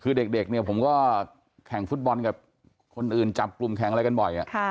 คือเด็กเนี่ยผมก็แข่งฟุตบอลกับคนอื่นจับกลุ่มแข่งอะไรกันบ่อย